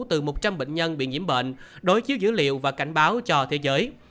từ một trăm linh bệnh nhân bị nhiễm bệnh đối chiếu dữ liệu và cảnh báo cho thế giới